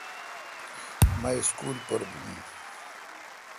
مہ سکول پر بھوں۔